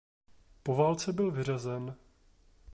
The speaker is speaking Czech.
Po válce byl vyřazen.